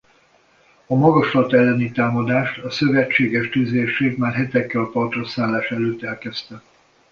A magaslat elleni támadást a szövetséges tüzérség már hetekkel a partraszállás előtt elkezdte.